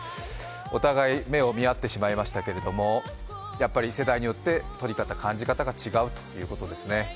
お互い目を見合ってしまいましたけれども世代によって取り方、感じ方が違うということですね。